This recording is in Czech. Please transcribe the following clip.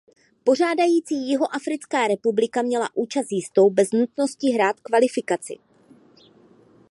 Pořádající Jihoafrická republika měla účast jistou bez nutnosti hrát kvalifikaci.